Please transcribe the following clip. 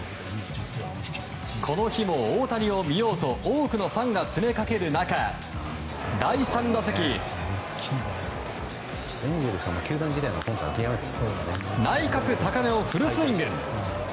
この日も大谷を見ようと多くのファンが詰めかける中第３打席内角高めをフルスイング！